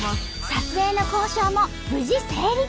撮影の交渉も無事成立！